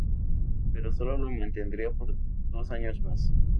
Pero solo lo mantendría por dos años más.